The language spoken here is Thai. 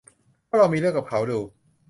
ก็ต้องลองมีเรื่องกับเขาดู